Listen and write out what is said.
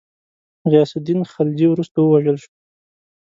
غیاث االدین خلجي وروسته ووژل شو.